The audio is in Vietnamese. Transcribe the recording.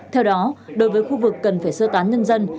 theo đó đối với khu vực cần phải sơ tán nhân dân